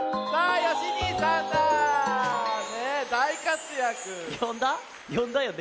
よんだよね？